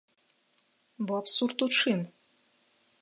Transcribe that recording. Бо абсурд ў чым?